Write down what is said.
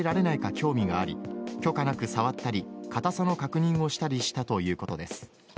興味があり許可なく触ったり硬さの確認をしたりしたということです。